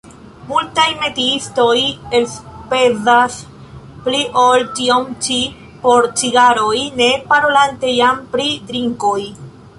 Multaj metiistoj elspezas pli ol tion ĉi por cigaroj, ne parolante jam pri drinkoj.